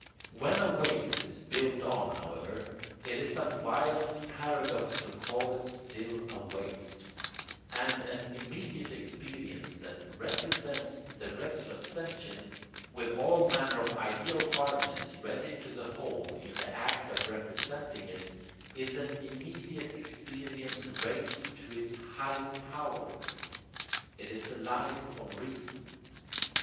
When a waste is built on, however, it is a violent paradox to call it still a waste; and an immediate experience that represents the rest of sentience, with all manner of ideal harmonies read into the whole in the act of representing it, is an immediate experience raised to its highest power: it is the Life of Reason.